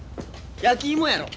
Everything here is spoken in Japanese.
焼き芋やろ。